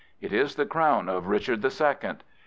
It is the crown of Richard the Second.